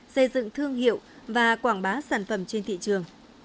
xây dựng thương hiệu và quảng bá sản phẩm trẻ